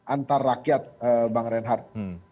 antar rakyat bang reinhardt